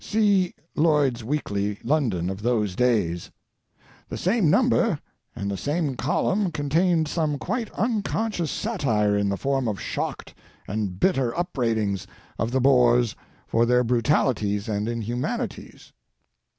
See Lloyd's Weekly, London, of those days. The same number — and the same column — con tained some quite unconscious satire in the form of shocked and bitter upbraidings of the Boers for their brutalities and inhu manities